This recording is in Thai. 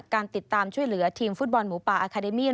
การติดตามช่วยเหลือทีมฟุตบอลหมูป่าอาคาเดมีน